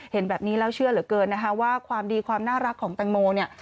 เห็นแบบนี้แล้วเชื่อเหลือเกินนะคะว่าความดีความน่ารักของแตงโมเนี่ย